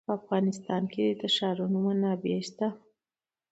په افغانستان کې د ښارونه منابع شته.